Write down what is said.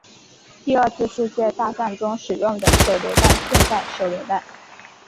第二次世界大战中使用的手榴弹现代手榴弹